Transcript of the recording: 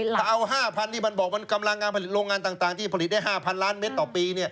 ถ้าเอา๕๐๐ที่มันบอกมันกำลังงานผลิตโรงงานต่างที่ผลิตได้๕๐๐ล้านเมตรต่อปี